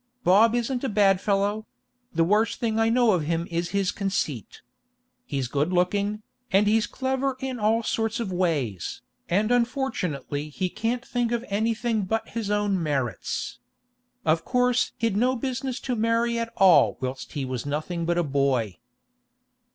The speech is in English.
Bob isn't a bad fellow; the worst thing I know of him is his conceit. He's good looking, and he's clever in all sorts of ways, and unfortunately he can't think of anything but his own merits. Of course he'd no business to marry at all whilst he was nothing but a boy.